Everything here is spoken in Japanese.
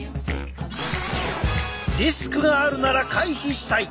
リスクがあるなら回避したい！